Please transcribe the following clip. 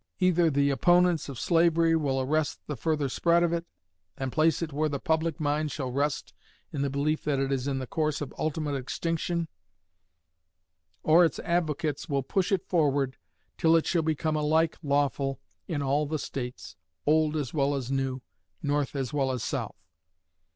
Either the opponents of slavery will arrest the further spread of it, and place it where the public mind shall rest in the belief that it is in the course of ultimate extinction, or its advocates will push it forward till it shall become alike lawful in all the States, old as well as new, North as well as South.'